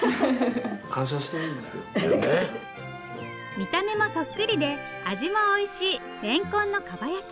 見た目もそっくりで味もおいしいれんこんのかば焼き